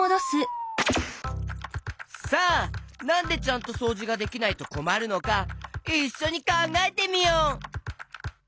さあなんでちゃんとそうじができないとこまるのかいっしょにかんがえてみよう！